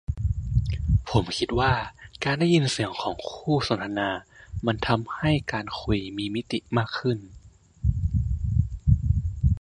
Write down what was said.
ผมคิดว่าการได้ยินเสียงของคู่สนทนามันทำให้การคุยมีมิติมากขึ้น